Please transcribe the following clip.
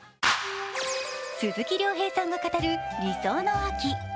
鈴木亮平さんが語る理想の秋。